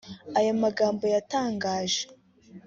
Aya magambo yatangaje